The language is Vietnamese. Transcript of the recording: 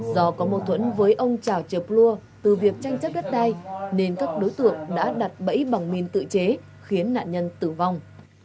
do có mâu thuẫn với ông trảo trợp lua từ việc tranh chấp đất đai nên các đối tượng đã đặt bẫy bằng mìn tự chế khiến nạn nhân tử vong